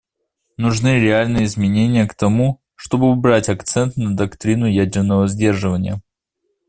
Нужны реальные изменения к тому, чтобы убрать акцент на доктрину ядерного сдерживания.